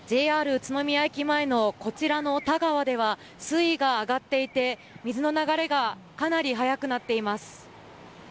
宇都宮駅前のこちらの田川では水位が上がっていて水の流れがかなり速くなっています。